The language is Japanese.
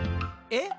「え？